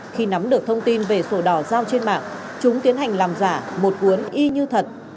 khi nắm được thông tin về sổ đỏ giao trên mạng chúng tiến hành làm giả một cuốn y như thật